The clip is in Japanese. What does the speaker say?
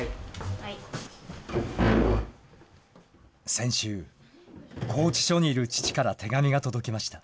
先週、拘置所にいる父から手紙が届きました。